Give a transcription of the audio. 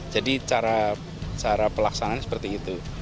jadi cara pelaksanaan seperti itu